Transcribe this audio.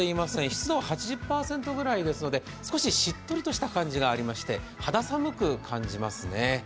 湿度は８０％ぐらいですので少ししっとりとした感じがありまして肌寒く感じますね。